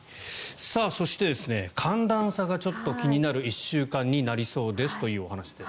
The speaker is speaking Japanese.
そして、寒暖差がちょっと気になる１週間になりそうですというお話です。